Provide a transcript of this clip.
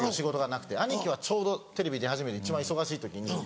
兄貴はちょうどテレビ出始めて一番忙しい時に。